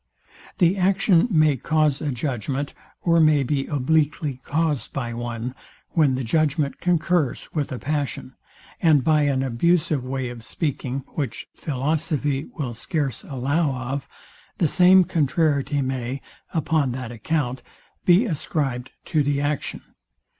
The action may cause a judgment, or may be obliquely caused by one, when the judgment concurs with a passion; and by an abusive way of speaking, which philosophy will scarce allow of, the same contrariety may, upon that account, be ascribed to the action.